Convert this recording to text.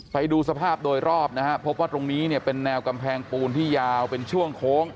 ไปดูสภาพโดยรอบนะฮะพบว่าตรงนี้เนี่ยเป็นแนวกำแพงปูนที่ยาวเป็นช่วงโค้ง